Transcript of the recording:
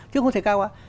chứ không thể cao quá